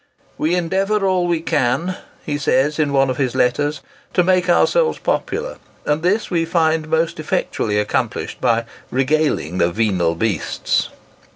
"We endeavour all we can," he says, in one of his letters, "to make ourselves popular, and this we find most effectually accomplished by 'regaling the venal beasts.